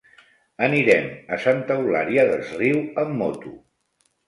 Anirem a Santa Eulària des Riu amb moto.